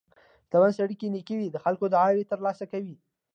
• شتمن سړی که نیک وي، د خلکو دعاوې ترلاسه کوي.